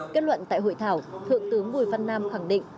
kết luận tại hội thảo thượng tướng bùi văn nam khẳng định